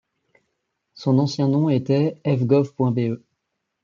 Son ancien nom était fgov.be.